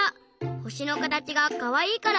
ほしのかたちがかわいいから。